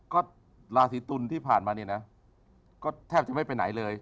ก็ราศีตุลที่ผ่านมานี่นะก็แทบจะไม่ไปไหนเลย